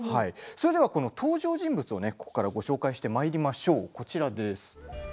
それでは登場人物をここからご紹介してまいりましょう。